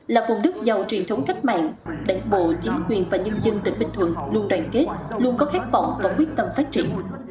là vùng đất giàu truyền thống cách mạng đảng bộ chính quyền và nhân dân tỉnh bình thuận luôn đoàn kết luôn có khát vọng và quyết tâm phát triển